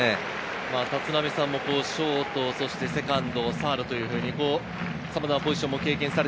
立浪さんもショート、セカンド、サードというふうに、さまざまなポジションを経験され